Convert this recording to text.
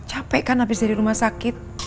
capek kan habis dari rumah sakit